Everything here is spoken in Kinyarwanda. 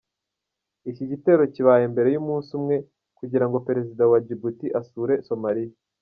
Iki gitero kibaye mbere y’umunsi umwe kugira ngo Perezida wa Djibouti asure Somalia.